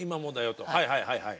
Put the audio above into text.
はいはいはいはい。